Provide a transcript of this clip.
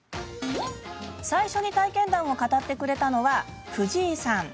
最初に体験談を語ってくれたのはフヂイさん。